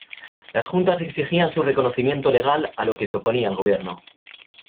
Las juntas exigían su reconocimiento legal a lo que se oponía el gobierno.